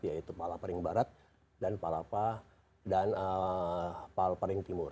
yaitu palaparing barat dan palapa timur